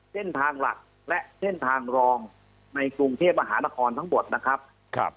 เส้นทางหลักและเส้นทางรองในกรุงเทพมหานครทั้งหมดนะครับ